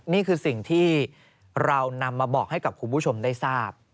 นี่คือสิ่งที่เรานำมาบอกให้กับคุณผู้ชมได้ทราบ